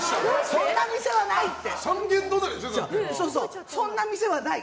そんな店はないって。